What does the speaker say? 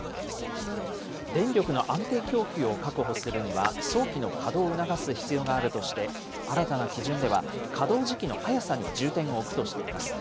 電力の安定供給を確保するには、早期の稼働を促す必要があるとして、新たな基準では、稼働時期の早さに重点を置くとしています。